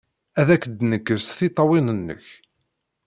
Ad ak-d-nekkes tiṭṭawin-nnek!